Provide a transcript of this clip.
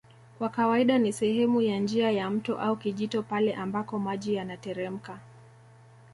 Kwa kawaida ni sehemu ya njia ya mto au kijito pale ambako maji yanateremka